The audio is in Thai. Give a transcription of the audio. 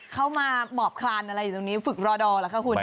เขามาหมอบคลานอะไรอยู่นี่ฝึกรอดอลละคะคุณ